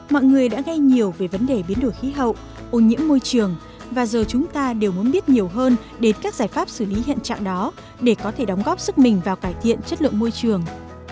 mọi người đã nghe nhiều về vấn đề biến đổi khí hậu ô nhiễm môi trường và giờ chúng ta đều muốn biết nhiều hơn đến các giải pháp xử lý hiện trạng đó để có thể đóng góp sức mình vào cải thiện chất lượng môi trường